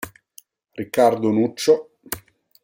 Riccardo Nuccio